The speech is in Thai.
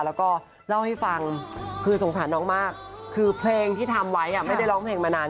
แล้วก็เล่าให้ฟังคือสงสารน้องมากคือเพลงที่ทำไว้ไม่ได้ร้องเพลงมานาน